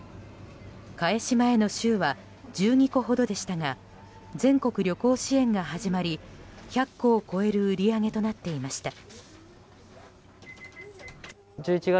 開始前の週は１２個ほどでしたが全国旅行支援が始まり１００個を超える売り上げとなっていました。